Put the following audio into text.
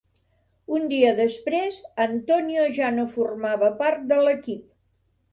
Un dia després, Antonio ja no formava part de l'equip.